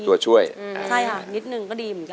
ตัวช่วยใช่ค่ะนิดนึงก็ดีเหมือนกัน